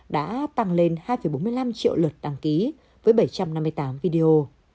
đã tăng lên hai bốn mươi năm triệu lượt đăng ký với bảy trăm năm mươi tám video